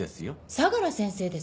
相良先生です。